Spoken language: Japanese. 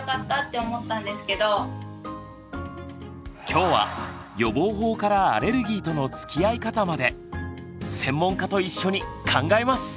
今日は予防法からアレルギーとのつきあい方まで専門家と一緒に考えます。